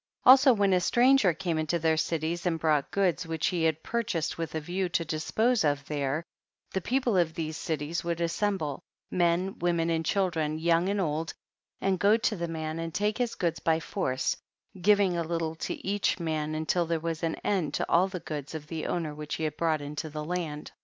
16. Also when a stranger came into their cities and brought goods which he had purchased with a view to dispose of there, the people of these cities would assemble, men, women and children, young and old, and go to the man and take his goods by force, giving a little to each man until there was an end to all the goods of the owner which he had brought into the land.